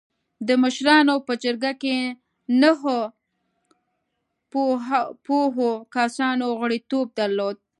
د مشرانو په جرګه کې نهه پوهو کسانو غړیتوب درلوده.